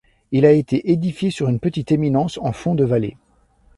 Il a été édifié sur une petite éminence en fond de vallée.